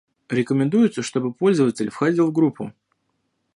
Рекомендуется чтобы пользователь входил в группу